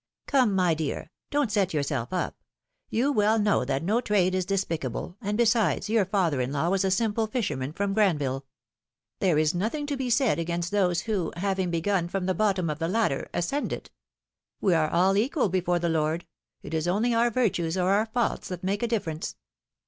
Come, my dear, don't set yourself up; you well know that no trade is despicable, and besides your father in law was a simple fisherman from Granville. There is nothing to be said against those who, having begun from the bottom of the ladder, ascend it. We are all equal before the Lord; it is only our virtues or our faults that niake a difference."